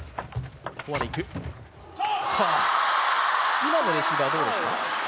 今のレシーブはどうでしたか？